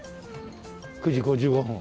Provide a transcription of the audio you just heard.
９時５５分。